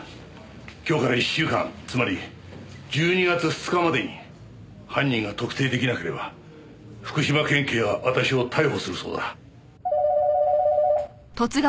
今日から１週間つまり１２月２日までに犯人が特定出来なければ福島県警は私を逮捕するそうだ。